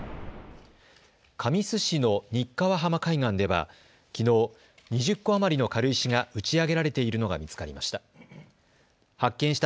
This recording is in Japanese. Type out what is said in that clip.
神栖市の日川浜海岸ではきのう、２０個余りの軽石が打ち上げられているのが見つかりました。